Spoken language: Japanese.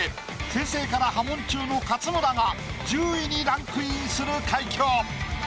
先生から破門中の勝村が１０位にランクインする快挙。